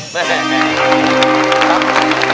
ยินดีจริง